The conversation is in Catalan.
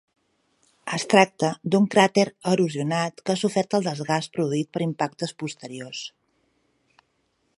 Es tracta d'un cràter erosionat que ha sofert el desgast produït per impactes posteriors.